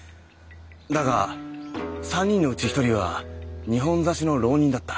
だが３人のうち１人は二本差しの浪人だった。